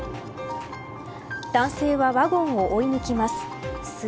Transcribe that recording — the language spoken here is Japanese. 男性はワゴンを追い抜きます。